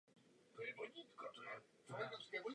Pracoval po více než dvacet let na jeruzalémské radnici.